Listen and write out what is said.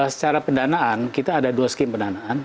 secara pendanaan kita ada dua skim pendanaan